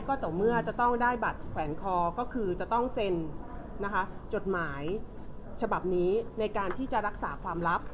ก็ต่อเมื่อจะต้องได้บัตรแขวนคอก็คือจะต้องเซ็นนะคะจดหมายฉบับนี้ในการที่จะรักษาความลับ